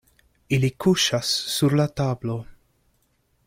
Ili kuŝas sur la tablo.